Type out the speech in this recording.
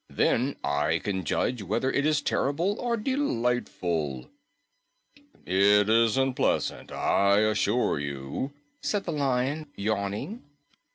Then I can judge whether it is terrible or delightful." "It isn't pleasant, I assure you," said the Lion, yawning.